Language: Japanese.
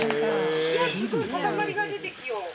いやすごい塊が出てきよう。